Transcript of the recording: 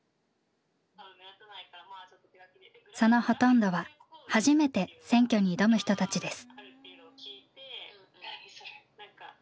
そのほとんどは初めて選挙に挑む人たちです。